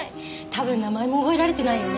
多分名前も覚えられてないよね。